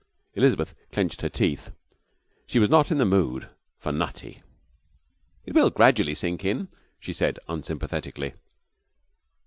Elizabeth clenched her teeth. She was not in the mood for Nutty. 'It will gradually sink in,' she said, unsympathetically.